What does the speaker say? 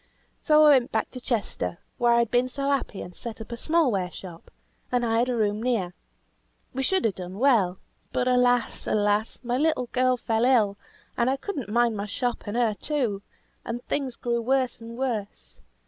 So I went back to Chester, where I'd been so happy, and set up a small ware shop, and hired a room near. We should have done well, but alas! alas! my little girl fell ill, and I could not mind my shop and her too; and things grew worse and worse.